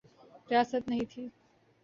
ریاست نئی تھی۔